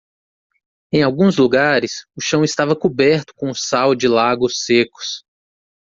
Em alguns lugares, o chão estava coberto com o sal de lagos secos.